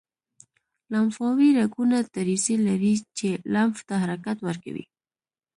لمفاوي رګونه دریڅې لري چې لمف ته حرکت ورکوي.